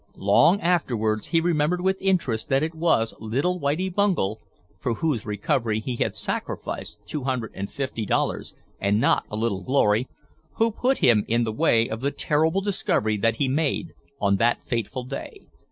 Long afterwards he remembered with interest that it was little Whitie Bungel (for whose recovery he had sacrificed two hundred and fifty dollars and not a little glory) who put him in the way of the terrible discovery that he made on that fateful day.